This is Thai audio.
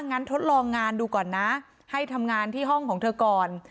ทดลองงานดูก่อนนะให้ทำงานที่ห้องของเธอก่อน